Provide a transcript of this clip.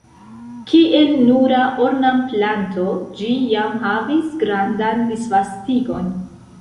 Kiel nura ornamplanto ĝi jam havis grandan disvastigon.